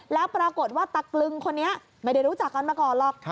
แล้วปรากฏว่าตะกลึงคนนี้ไม่ได้รู้จักกันมาก่อนหรอก